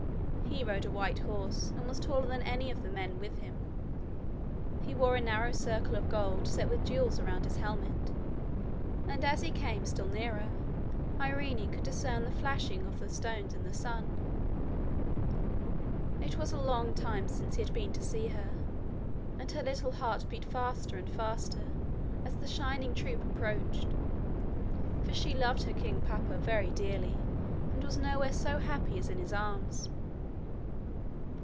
He rode a white horse and was taller than any of the men with him. He wore a narrow circle of gold set with jewels around his helmet, and as he came still nearer Irene could discern the flashing of the stones in the sun. It was a long time since he had been to see her, and her little heart beat faster and faster as the shining troop approached, for she loved her king papa very dearly and was nowhere so happy as in his arms.